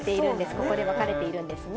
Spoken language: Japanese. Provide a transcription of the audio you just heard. ここで分かれているんですね。